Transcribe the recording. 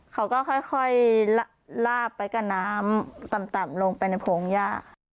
เขาก็ค่อยลาไปกับน้ำต่ำลงไปในโผงย่า